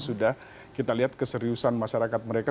sudah kita lihat keseriusan masyarakat mereka